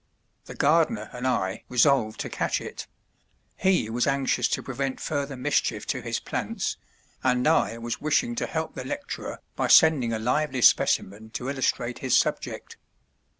The gardener and I resolved to catch it; he was anxious to prevent further mischief to his plants, and I was wishing to help the lecturer by sending a lively specimen to illustrate his subject.